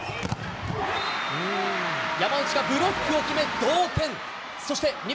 山内がブロックを決め、同点。